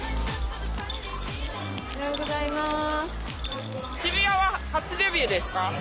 おはようございます。